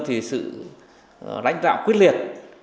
thì sự đánh đạo quyết liệt